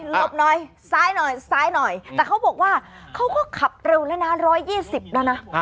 หลบหน่อยซ้ายหน่อยแต่เขาก็บอกว่าเขาก็ขับเร็วแล้วนาน๑๒๐ดังนะ